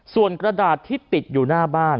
ส่วนกระดาษที่ติดอยู่หน้าบ้าน